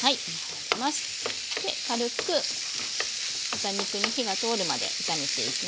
軽く豚肉に火が通るまで炒めていきます。